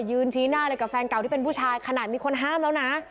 ยืนชี้หน้าเลยกับแฟนเก่าที่เป็นผู้ชายขนาดมีคนห้ามแล้วนะ